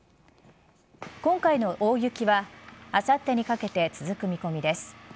今回の大雪はあさってにかけて続く見込みです。